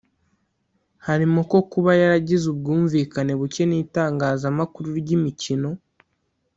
harimo ko kuba yaragize ubwumvikane buke n’itangazamakuru ry’imikino